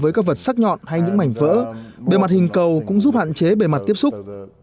với các vật sắc nhọn hay những mảnh vỡ bề mặt hình cầu cũng giúp hạn chế bề mặt tiếp xúc